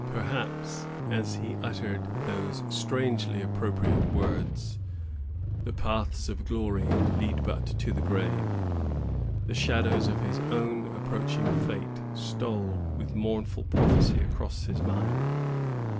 Perhaps, as he uttered those strangely appropriate words,—— "The paths of glory lead but to the grave," the shadows of his own approaching fate stole with mournful prophecy across his mind.